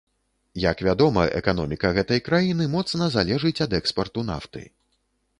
Як вядома, эканоміка гэтай краіны моцна залежыць ад экспарту нафты.